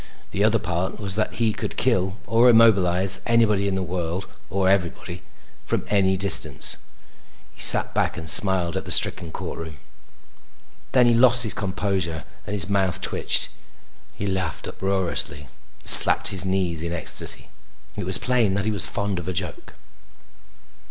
The other part was that he could kill or immobilize anybody in the world or everybody from any distance. He sat back and smiled at the stricken courtroom. Then he lost his composure and his mouth twitched. He laughed uproariously and slapped his knees in ecstasy. It was plain that he was fond of a joke.